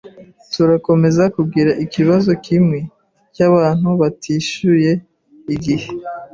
Turakomeza kugira ikibazo kimwe cyabantu batishyuye igihe.